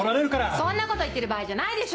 そんなこと言ってる場合じゃないでしょ！